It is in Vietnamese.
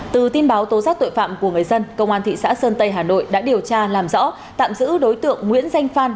từ tin báo tố giác tội phạm của người dân công an thị xã sơn tây hà nội đã điều tra làm rõ tạm giữ đối tượng nguyễn danh phan